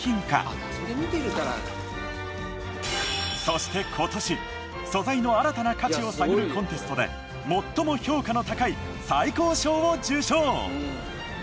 そして今年素材の新たな価値を探るコンテストで最も評価の高い最高賞を受賞。